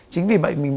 chính vì vậy